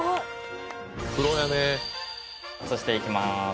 移していきます。